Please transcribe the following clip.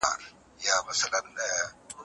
تعليم د ژوند پراخ بهير دی.